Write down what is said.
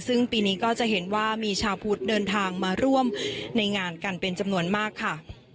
ซึ่งปีนี้ก็จะเห็นว่ามีชาวพุทธเดินทางมาร่วมในงานกันเป็นจำนวนมากค่ะ